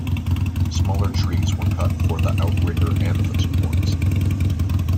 Smaller trees were cut for the outrigger and the supports.